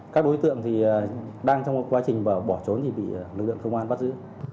các đối tượng thì đang trong quá trình bỏ trốn thì bị lực lượng công an bắt giữ